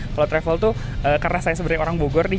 kalau travel tuh karena saya sebenarnya orang bogor nih